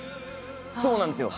そうなんですよ。